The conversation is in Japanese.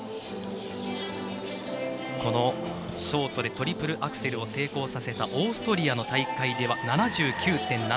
このショートでトリプルアクセルを成功させたオーストリアの大会では７９．７３。